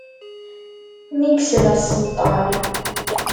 Mi yesla Selṭan.